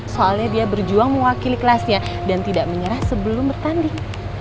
soalnya dia berjuang mewakili kelasnya dan tidak menyerah sebelum bertanding